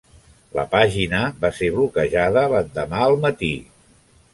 La pàgina va ser bloquejada l'endemà al matí.